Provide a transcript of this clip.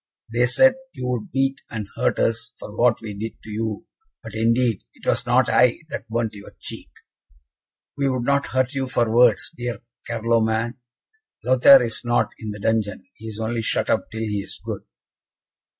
they said you would beat and hurt us for what we did to you! but, indeed, it was not I that burnt your cheek!" "We would not hurt you for worlds, dear Carloman; Lothaire is not in the dungeon he is only shut up till he is good."